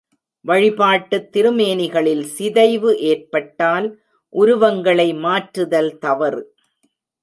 வழிபாட்டுத் திருமேனிகளில் சிதைவு ஏற்பட்டால் உருவங்களை மாற்றுதல் தவறு.